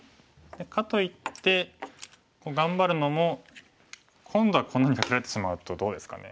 かといって頑張るのも今度はこんなふうにカケられてしまうとどうですかね。